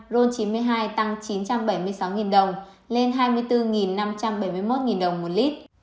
ron chín mươi hai tăng chín trăm bảy mươi sáu đồng lên hai mươi bốn năm trăm bảy mươi một đồng một lít